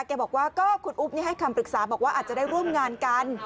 แกบอกว่าก็คุณอุ๊บให้คำปรึกษาบอกว่าอาจจะได้ร่วมงานกัน